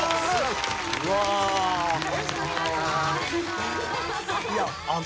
よろしくお願いします。